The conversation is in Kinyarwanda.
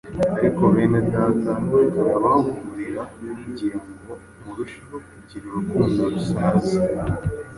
Ariko bene Data turabahugurira kugira ngo murusheho kugira urukundo rusaze: